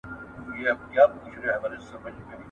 څو مجمر د آسمان تود وي !.